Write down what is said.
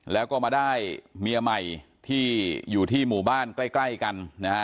แล้วก็มาได้เมียใหม่ที่อยู่ที่หมู่บ้านใกล้กันนะฮะ